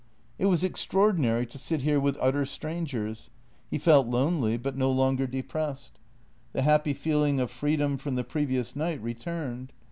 It was extraordinary to sit here with utter strangers; he felt lonely, but no longer depressed. The happy feeling of free dom from the previous night returned.